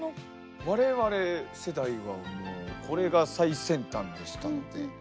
我々世代はもうこれが最先端でしたので。